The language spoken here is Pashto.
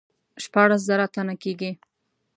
شپاړس زره تنه کیږي.